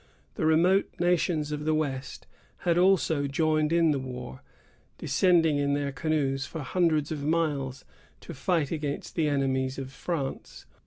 The remote nations of the west had also joined in the war, descending in their canoes for hundreds of miles, to fight against the enemies of France.